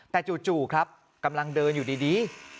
แต่จู่ครับกำลังเดินอยู่ดี